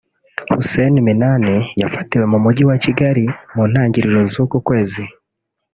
Hussein Minani yafatiwe mu mujyi wa Kigali mu ntangiro z’uku kwezi